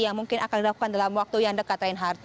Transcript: yang mungkin akan dilakukan dalam waktu yang dekat reinhardt